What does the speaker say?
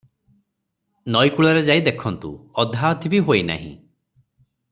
ନଈକୂଳରେ ଯାଇ ଦେଖନ୍ତୁ, ଅଧାଅଧି ବି ହୋଇନାହିଁ ।